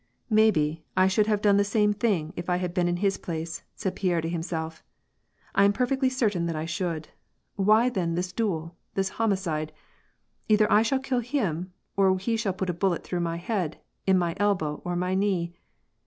'^ Maybe, I should have done the same thing, if I had been in his place," said Pierre to himself, " I am perfectly certain that I should ; why then this duel, this homicide ? Either I shall kill him, or he will put a bullet through my head, in my elbow or my knee.